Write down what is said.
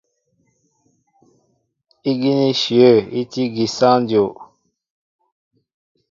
Ígínɛ́ íshyə̂ í tí ígí sááŋ ndáp.